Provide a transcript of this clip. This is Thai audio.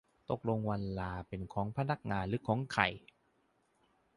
ตกลงวันลาเป็นของพนักงานหรือของใคร